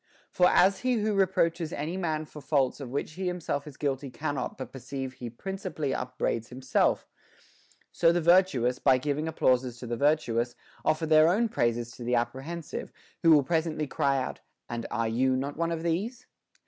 For as he who reproaches any man for faults of which he himself is guilty cannot but perceive he principally upbraids himself, so the virtuous, by giving applauses to the virtuous, offer their own praises to the apprehensive, who will presently cry out, And are not you one of these